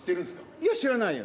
いや、知らないよ。